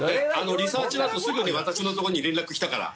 リサーチのあとすぐに私のところに連絡きたから。